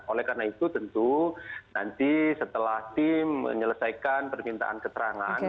oleh karena itu tentu nanti setelah tim menyelesaikan permintaan keterangan